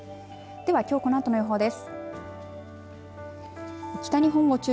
ではきょうこのあとの予報です。